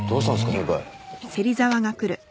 先輩。